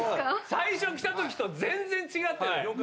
最初来たときと、全然違うって。